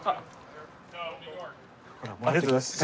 ありがとうございます。